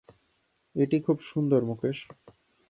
এটা খুব সুন্দর মুকেশ।